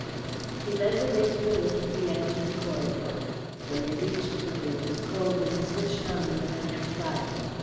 He led the way to the lift at the end of the corridor. When they reached the rooms Colwyn switched on the electric light.